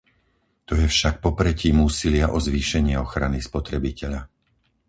To je však popretím úsilia o zvýšenie ochrany spotrebiteľa.